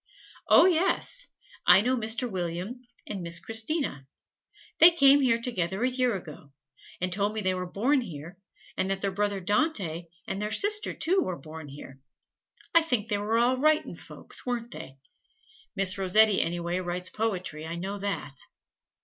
"Oh, yes; I know Mr. William and Miss Christina. They came here together a year ago, and told me they were born here and that their brother Dante and their sister, too, were born here. I think they were all writin' folks, weren't they? Miss Rossetti anyway writes poetry, I know that.